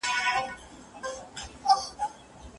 لکه د خپلې مينې «هو» چې چاته ژوند ورکوي